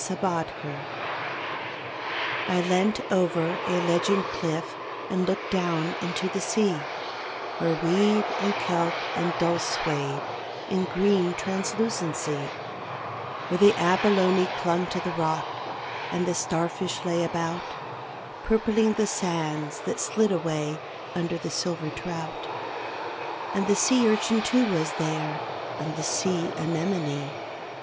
ATAVISM I leant out over a ledging cliff and looked down into the sea, Where weed and kelp and dulse swayed, in green translucency; Where the abalone clung to the rock and the star fish lay about, Purpling the sands that slid away under the silver trout. And the sea urchin too was there, and the sea anemone.